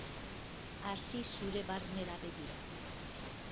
Hasi zure barnera begira.